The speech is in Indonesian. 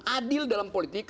adil dalam politik